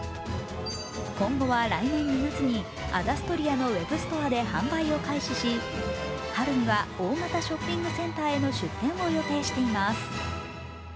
今後は、来年２月にアダストリアのウェブストアで販売を開始し春には大型ショッピングセンターへの出店を予定しています。